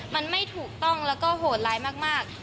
มันไม่ถูกต้องแล้วก็โหดร้ายมาก